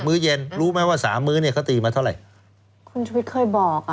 ื้อเย็นรู้ไหมว่าสามมื้อเนี้ยเขาตีมาเท่าไหร่คุณชุวิตเคยบอกอ่ะ